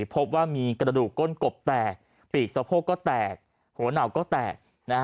พบว่ามีกระดูกก้นกบแตกปีกสะโพกก็แตกหัวเหนาก็แตก